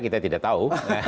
kita tidak tahu